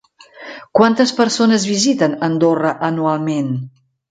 Quantes persones visiten Andorra anualment?